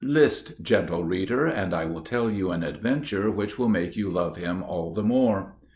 List, gentle reader, and I will tell you an adventure which will make you love him all the more.